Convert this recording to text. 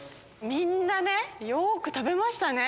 みんなよく食べましたね。